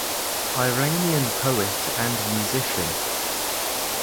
Iranian poet and musician.